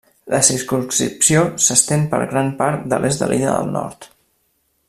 La circumscripció s'estén per gran part de l'est de l'illa del Nord.